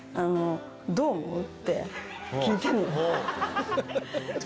「どう思う？」って聞いてるの。